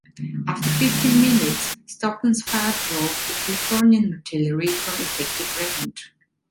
After fifteen minutes, Stockton's fire drove the Californian artillery from effective range.